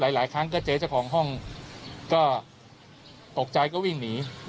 หลายครั้งก็เจอเจ้าของห้องก็ตกใจก็วิ่งหนี